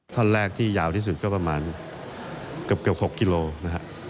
ท่อนแรกที่ยาวที่สุดก็ประมาณเกือบ๖กิโลนะครับ